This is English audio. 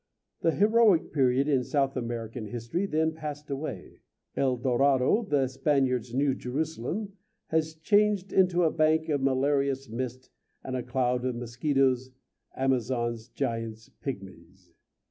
The heroic period in South American history then passed away. El Dorado, the Spaniard's New Jerusalem, has changed into a bank of malarious mist and a cloud of mosquitoes, Amazons, giants, pigmies.